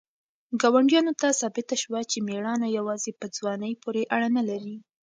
ګاونډیانو ته ثابته شوه چې مېړانه یوازې په ځوانۍ پورې اړه نه لري.